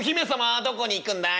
どこに行くんだい？